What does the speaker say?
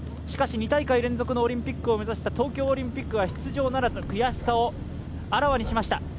しかし、２大会連続のオリンピック出場を目指した東京オリンピックは悔しさをあらわにしました。